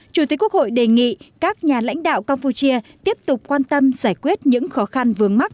chủ tịch quốc hội đề nghị các nhà lãnh đạo campuchia tiếp tục quan tâm giải quyết những khó khăn vướng mắt